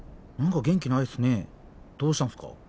どうしたんすか？